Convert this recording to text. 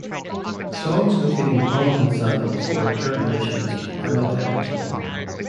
Songs containing prominent samples or interpolations are not eligible.